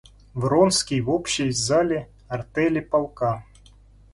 Вронский в общей зале артели полка.